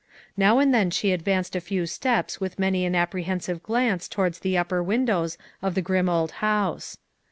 Now and then she advanced a few steps with many an apprehensive glance towards the upper windows of the grim old house.